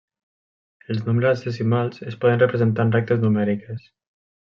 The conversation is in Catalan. Els nombres decimals es poden representar en rectes numèriques.